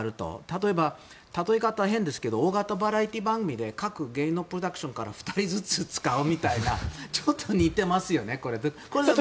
例えば、例え方が変ですけど大型バラエティー番組で各芸能プロダクションから２人ずつ使うみたいなちょっと似ていますよね。